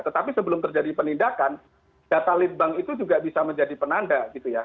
tetapi sebelum terjadi penindakan data lead bank itu juga bisa menjadi penanda gitu ya